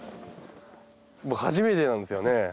初めてなんですよね。